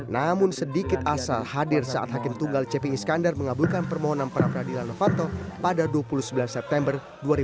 namun sedikit asal hadir saat hakim tunggal cepi iskandar mengabulkan permohonan pra peradilan novanto pada dua puluh sembilan september dua ribu dua puluh